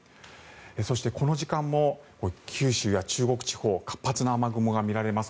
そして、この時間も九州や中国地方活発な雨雲が見られます。